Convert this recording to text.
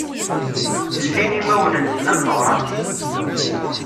Llin imawen-nnsen am teɣṛasin.